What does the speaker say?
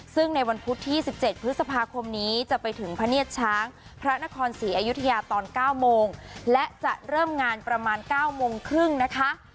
ซึ่งในวันพุธที่๑๗พฤษภาคมนี้จะไปถึงพระเนียดช้างพระนครศรีอยุธยาตอน๙โมงและจะเริ่มงานประมาณ๙โมงครึ่งนะคะ